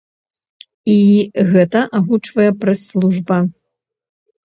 І гэта агучвае прэс-служба!